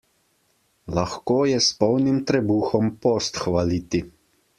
Lahko je s polnim trebuhom post hvaliti.